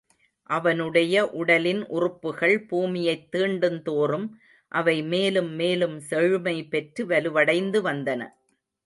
அவனுடைய உடலின் உறுப்புகள் பூமியைத் தீண்டுந்தோறும், அவை மேலும் மேலும் செழுமை பெற்று, வலுவடைந்துவந்தன.